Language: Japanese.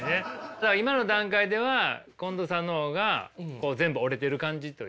じゃあ今の段階では近藤さんの方が全部折れてる感じというか。